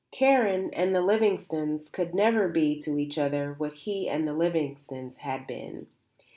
Karen and the Lavingtons could never be to each other what he and the Lavingtons had been.